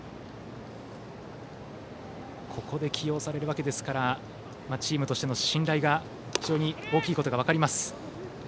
ここで起用されるわけですからチームとしての信頼が非常に大きいことが分かります。